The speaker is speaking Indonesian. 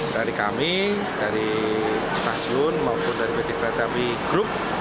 dari kami dari stasiun maupun dari btp tami group